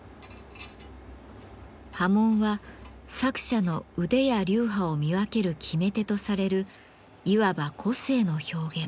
刃文は作者の腕や流派を見分ける決め手とされるいわば個性の表現。